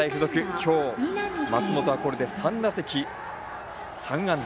今日、松本はこれで３打席３安打。